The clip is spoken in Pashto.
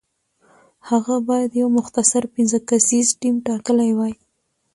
هغه باید یو مختصر پنځه کسیز ټیم ټاکلی وای.